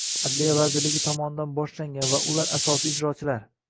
Adliya vazirligi tomonidan boshlangan va ular asosiy ijrochilar.